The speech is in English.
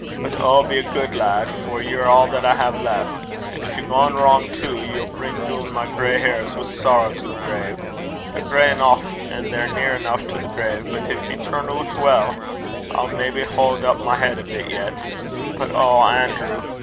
But oh be a guid lad, for ye're a' that I hae left; and gin ye gang wrang tu, ye'll bring doon my gray hairs wi' sorrow to the grave. They're gray eneuch, and they're near eneuch to the grave, but gin ye turn oot weel, I'll maybe haud up my heid a bit yet. But O Anerew!